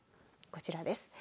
こちらです。